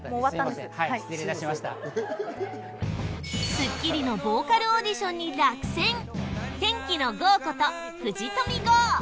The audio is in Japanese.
『スッキリ』のボーカルオーディションに落選、天気の郷こと、藤富郷。